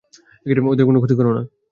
ওদের কোনো ক্ষতি কোরো না।